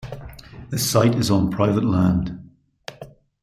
This site is on private land.